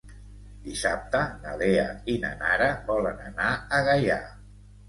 Dissabte na Lea i na Nara volen anar a Gaià.